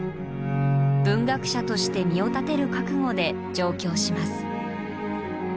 文学者として身を立てる覚悟で上京します。